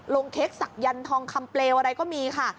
เค้กศักยันต์ทองคำเปลวอะไรก็มีค่ะ